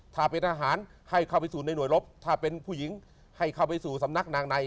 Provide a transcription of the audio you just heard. ถ้าเป็นอาหารให้เข้าไปสู่ในหน่วยลบถ้าเป็นผู้หญิงให้เข้าไปสู่สำนักนางใน